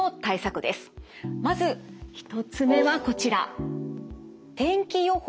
まず１つ目はこちら。